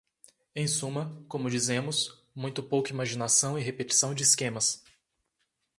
Em suma, como dizemos, muito pouca imaginação e repetição de esquemas.